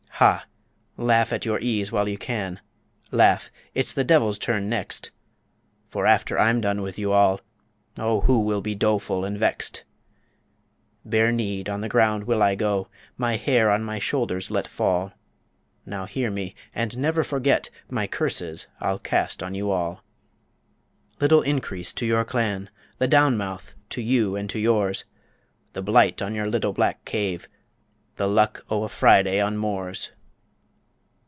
Ha! laugh at your ease while you can Laugh! it's the devil's turn next For after I'm done with you all, O who will be doleful and vext? Bare kneed on the ground will I go My hair on my shoulders let fall, Now hear me and never forget My curses I'll cast on you all _Little increase to your clan! The down mouth to you and to yours! The blight on your little black cave! The luck o' a Friday on moors!